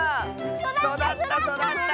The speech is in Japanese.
そだったそだった！